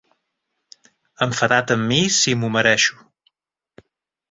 Enfadat amb mi si m'ho mereixo.